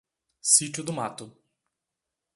Sítio do Mato